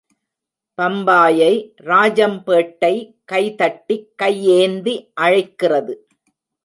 பம்பாயை ராஜம்பேட்டை கை தட்டி, கை ஏந்தி அழைக்கிறது.